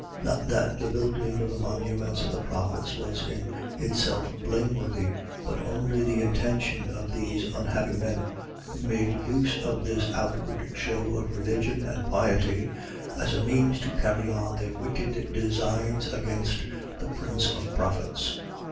.Not that the building of the monuments of the prophets was in itself blameworthy, but only the intention of these unhappy men, who made use of this outward shew of religion and piety, as a means to carry on their wicked designs against the prince of prophets.